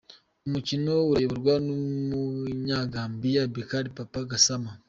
Umukino urayoborwa n’umunyagambia Bakary Papa Gassama.